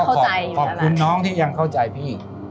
ขอบคุณน้องที่ยังเข้าใจพี่